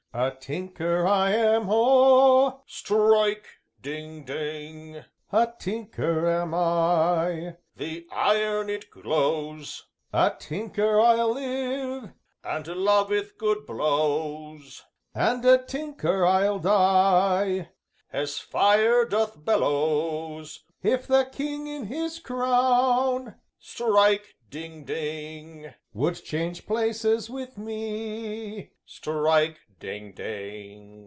A tinker I am, O Strike! ding! ding! A tinker am I The iron it glows, A tinker I'll live And loveth good blows, And a tinker I'll die. As fire doth bellows. If the King in his crown Strike! ding! ding! Would change places with me Strike! ding! ding!"